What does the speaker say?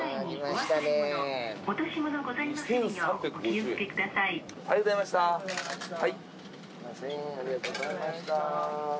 すみませんありがとうございました。